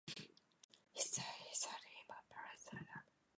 He studied his art in Bilbao, Paris and Rome.